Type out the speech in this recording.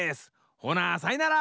ほなさいなら！